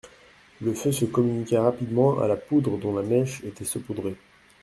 Le feu se communiqua rapidement à la poudre dont la mèche était saupoudrée.